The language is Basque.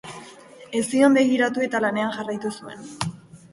Ez zion begiratu eta lanean jarraitu zuen.